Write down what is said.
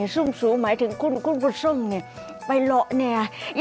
ซุ่มซูหมายถึงคุ้นคุ้นพุทธซุ่มเนี่ยไปหลอกเนี่ย